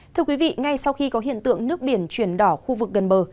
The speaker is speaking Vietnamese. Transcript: thưa quý vị ngay sau khi có hiện tượng nước biển chuyển đỏ khu vực gần bờ